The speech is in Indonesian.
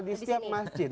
di setiap masjid